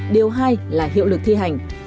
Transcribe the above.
điều hai là hiệu lực thi hành